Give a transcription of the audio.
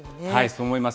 そう思います。